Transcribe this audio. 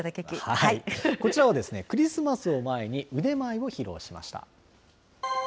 こちらはクリスマスを前に腕前を披露しました。